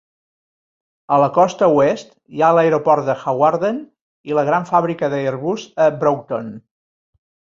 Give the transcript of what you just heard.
A la costa oest hi ha l'aeroport de Hawarden i la gran fàbrica d'Airbus a Broughton.